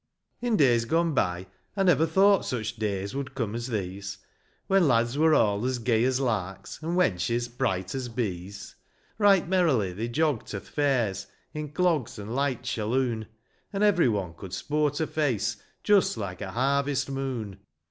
In days gone by I never thought Such days would come as these, When lads were all as gay as larks, And wenches bright as bees. Right merrily they jogg'd to th' fairs In clogs and light shalloon, And every one could sport a face Just like a harvest moon.